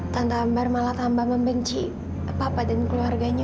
tanpa ambar malah tambah membenci papa dan keluarganya